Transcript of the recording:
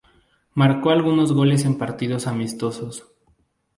Marcó algunos goles en partidos amistosos.